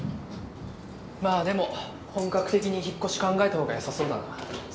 まぁでも本格的に引っ越し考えたほうがよさそうだなそのうち